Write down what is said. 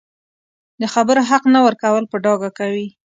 د خبرو حق نه ورکول په ډاګه کوي